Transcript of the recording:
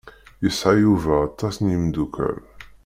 Yesɛa Yuba aṭas n yimeddukal.